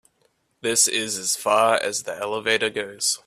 This is as far as the elevator goes.